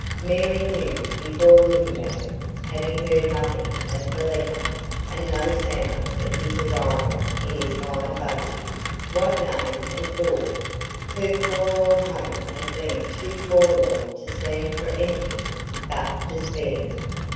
Mary knew, before looking at it having heard nothing of the letter, and no sound of his arrival in his hired buggy what name it bore. Her forlorn hope had been too forlorn to stand for anything but despair.